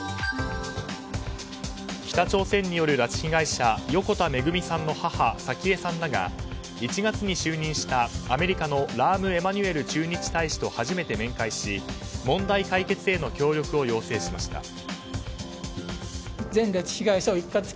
北朝鮮による拉致被害者横田めぐみさんの母早紀江さんらが１月に就任した、アメリカのラーム・エマニュエル駐日大使と初めて面会し問題解決への協力を要請しました。